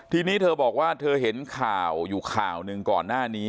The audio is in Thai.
ทีนี้เธอบอกว่าเธอเห็นข่าวอยู่ข่าวหนึ่งก่อนหน้านี้